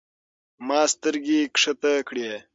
ما سترګې کښته کړې.